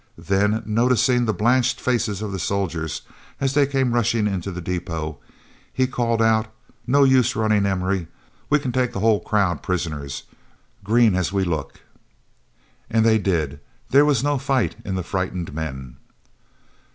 Then noticing the blanched faces of the soldiers, as they came rushing into the depot, he called out, "No use running, Emory, we can take the whole crowd prisoners, green as we look." And they did. There was no fight in the frightened men.